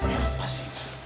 ya pas sih